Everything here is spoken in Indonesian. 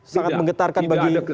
sangat menggetarkan bagi kang sobari